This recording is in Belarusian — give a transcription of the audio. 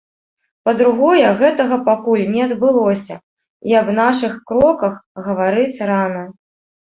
Па-другое, гэтага пакуль не адбылося і аб нашых кроках гаварыць рана.